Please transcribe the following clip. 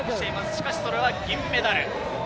しかしそれは銀メダル。